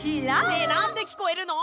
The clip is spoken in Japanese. ねえなんできこえるの？